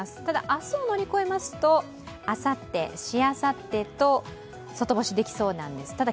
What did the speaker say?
ただ、明日を乗り越えますとあさって、しあさってと外干しできそうなんです。